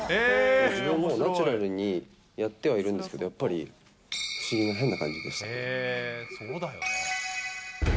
自分のナチュラルにやってはいるんですけど、やっぱり、不思議な変な感じでした。